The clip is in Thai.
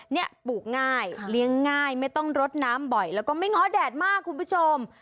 เนี่ยปลูกง่ายเลี้ยงง่ายไม่ต้องรดน้ำบ่อยแล้วก็ไม่ง้อแดดมากคุณผู้ชม